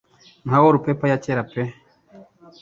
nka wallpaper ya kera pe